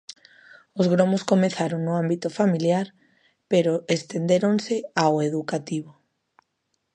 Os gromos comezaron no ámbito familiar, pero estendéronse ao educativo.